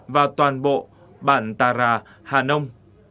và toàn bộ bản ta rà hà nông